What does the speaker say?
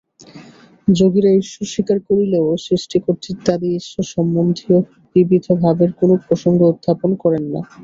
যোগীরা ঈশ্বর স্বীকার করিলেও সৃষ্টিকর্তৃত্বাদি ঈশ্বরসম্বন্ধীয় বিবিধ ভাবের কোন প্রসঙ্গ উত্থাপন করেন না।